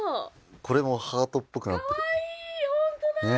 これもハートっぽくなってる。